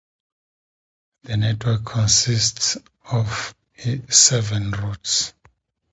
The network consists of seven routes.